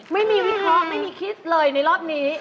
วิเคราะห์ไม่มีคิดเลยในรอบนี้